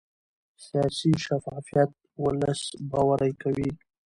سیاسي شفافیت ولس باوري کوي